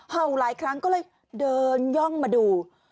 เห่าหลายครั้งก็เลยเดินย่องมาดู